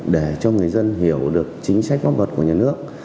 để cho người dân hiểu được chính sách văn vật của nhà nước